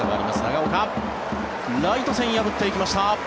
長岡ライト線、破っていきました。